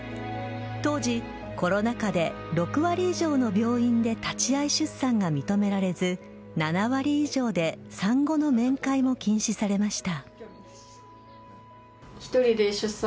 当時、コロナ禍で６割以上の病院で立ち会い出産が認められず７割以上で産後の面会も禁止されました。